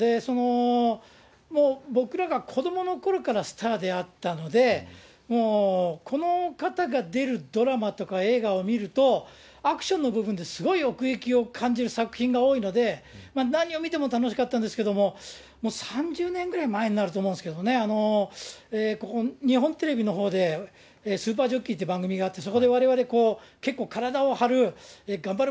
僕らが子どものころからスターであったので、もうこの方が出るドラマとか映画を見ると、アクションの部分ですごい奥行きを感じる作品が多いので、何を見ても楽しかったんですけども、３０年ぐらい前になると思うんですけどね、日本テレビのほうでスーパージョッキーという番組があって、そこでわれわれ、結構、体を張るがんばる